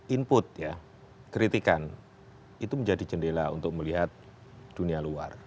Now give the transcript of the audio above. input ya kritikan itu menjadi jendela untuk melihat dunia luar